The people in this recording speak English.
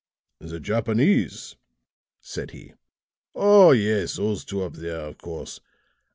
"The Japanese?" said he. "Oh, yes, those two up there, of course.